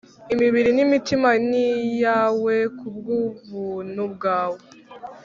imibiri n'imitima n' iyawe kubw'ubuntu bwawe